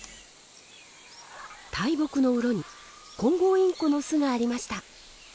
大木のうろにコンゴウインコの巣がありました。